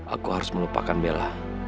aku harus melupakan bella